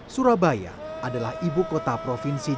surabaya adalah ibu kota provinsi